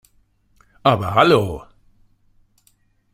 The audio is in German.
Aber hallo!